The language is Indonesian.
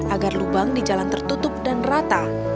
agar lubang di jalan tertutup dan rata